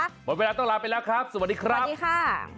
หมดเวลาต้องลาไปแล้วครับสวัสดีครับสวัสดีค่ะ